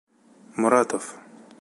МОРАТОВ.